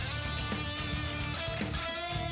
ตอนนี้มวยกู้ที่๓ของรายการ